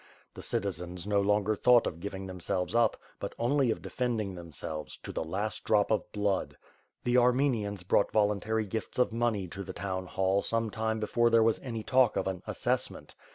The citizens no longer thought of giv ing themselves up, but only of defending themselves, to the last drop of blood. The Armenians brought voluntary gifts of money to the town hall some time before there, was any talk of an assessment.